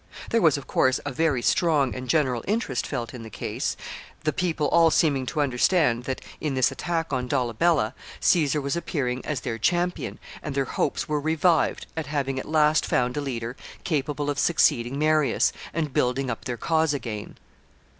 There was, of course, a very strong and general interest felt in the case; the people all seeming to understand that, in this attack on Dolabella, Caesar was appearing as their champion, and their hopes were revived at having at last found a leader capable of succeeding Marius, and building up their cause again.